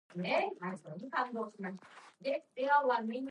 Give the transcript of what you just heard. The administrative centre is the village of Hareid.